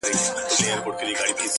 متقي صاحب پوښتنه کړې